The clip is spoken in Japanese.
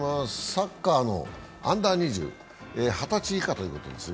サッカーのアンダー２０、二十歳以下です。